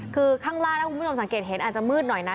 คือข้างล่างถ้าคุณผู้ชมสังเกตเห็นอาจจะมืดหน่อยนะ